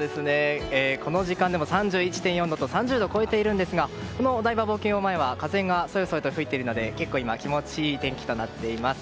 この時間でも３１．４度と３０度を超えているんですがお台場冒険王前は風がそよそよ吹いていて結構、今気持ちいい天気となっています。